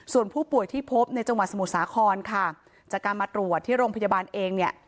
ส่วนผู้ป่วยที่พบในจังหวัดสมุทรสาครค่ะจากการมาตรวจที่โรงพยาบาลเองเนี่ย